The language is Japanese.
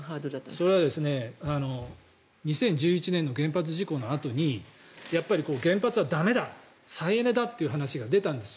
それは２０１１年の原発事故のあとにやっぱり原発は駄目だ再エネだという話が出たんです。